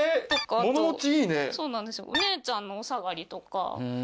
あとお姉ちゃんのおさがりとか。